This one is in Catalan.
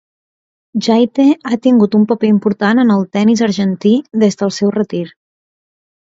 Jaite ha tingut un paper important en al tennis argentí des del seu retir.